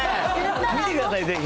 見てください、ぜひ。